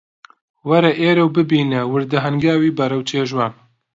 وەرە ئێرە و ببینە وردە هەنگاوی بەرەو جێژوان